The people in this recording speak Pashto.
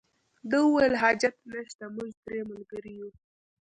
ده وویل حاجت نشته موږ درې ملګري یو.